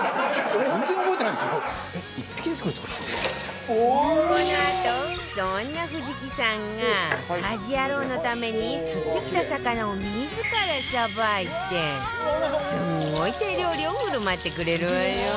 このあとそんな藤木さんが『家事ヤロウ！！！』のために釣ってきた魚を自らさばいてすんごい手料理を振る舞ってくれるわよ